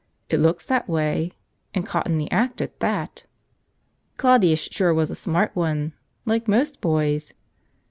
It looks that way — and caught in the act at that!" Claudius sure was a smart one — like most boys!